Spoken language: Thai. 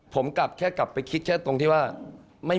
ผมกลับอย่าแค่เลือกไปดูแล้วไม่มีใครกล้าเอาใหญ่ลงมาเล่น